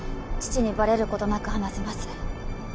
父にバレることなく話せます